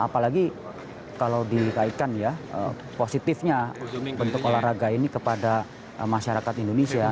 apalagi kalau dikaitkan ya positifnya bentuk olahraga ini kepada masyarakat indonesia